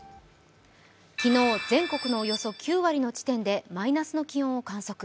昨日、全国のおよそ９割の地点でマイナスの気温を観測。